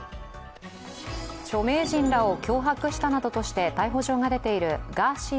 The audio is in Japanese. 著名人らを脅迫したなどとして逮捕状が出ているガーシー